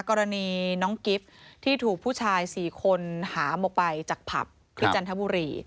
กรณีน้องกิฟต์ที่ถูกผู้ชาย๔คนหามออกไปจากผับที่จันทบุรี